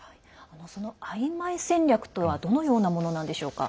その、あいまい戦略とはどのようなものなんでしょうか。